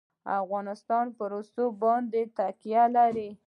افغانستان په رسوب باندې تکیه لري.